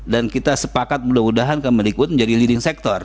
dan kita sepakat mudah mudahan kembali ikut menjadi leading sektor